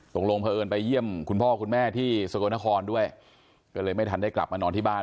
พระเอิญไปเยี่ยมคุณพ่อคุณแม่ที่สกลนครด้วยก็เลยไม่ทันได้กลับมานอนที่บ้าน